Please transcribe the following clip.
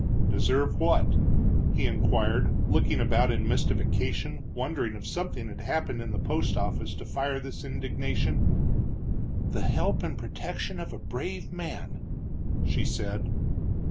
"Deserve what?" he inquired, looking about in mystification, wondering if something had happened in the post office to fire this indignation. "The help and protection of a brave man!" she said.